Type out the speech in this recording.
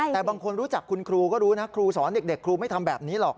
แต่บางคนรู้จักคุณครูก็รู้นะครูสอนเด็กครูไม่ทำแบบนี้หรอก